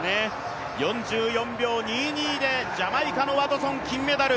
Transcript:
４４秒２２でジャマイカのワトソン、金メダル。